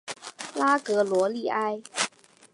拉格罗利埃。